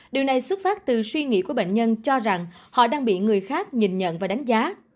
điều này xuất phát từ suy nghĩ của bệnh nhân cho rằng họ đang bị người khác nhìn nhận và đánh giá